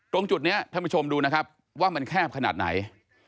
ตรงจุดนี้ท่านผู้ชมดูนะครับว่ามันแคบขนาดไหน